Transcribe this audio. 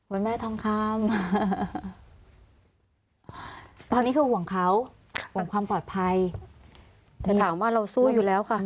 แม่ทองคำตอนนี้คือห่วงเขาห่วงความปลอดภัยแต่ถามว่าเราสู้อยู่แล้วค่ะ